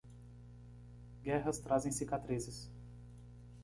Guerras trazem cicatrizes.